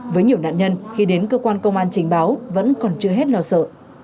với nhiều nạn nhân khi đến cơ quan công an trình báo vẫn còn chưa hết lo sợ